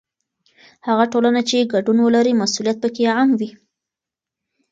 هغه ټولنه چې ګډون ولري، مسؤلیت پکې عام وي.